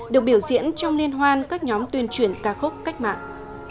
được biểu diễn trong liên hoan các nhóm tuyên truyền ca khúc cách mạng